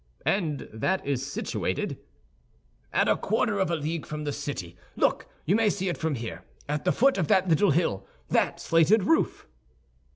"And that is situated?" "At a quarter of a league from the city. Look, you may see it from here—at the foot of that little hill, that slated roof."